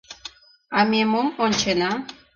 А ме мом ончена?!